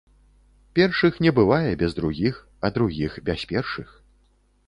Першых не бывае без другіх, а другіх без першых.